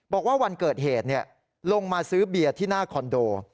บอกว่าวันเกิดเหตุลงมาซื้อเบียร์ที่หน้าคอนโด